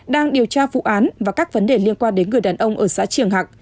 đang điều tra vụ án và các vấn đề liên quan đến người đàn ông ở xã triềng hạc